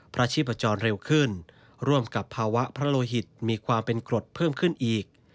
อาชีพจรเร็วขึ้นร่วมกับภาวะพระโลหิตมีความเป็นกรดเพิ่มขึ้นอีก